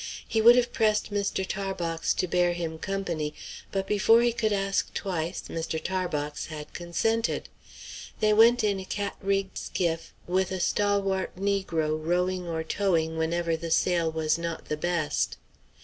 He would have pressed Mr. Tarbox to bear him company; but before he could ask twice, Mr. Tarbox had consented. They went in a cat rigged skiff, with a stalwart negro rowing or towing whenever the sail was not the best.